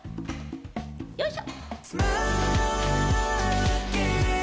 よいしょ！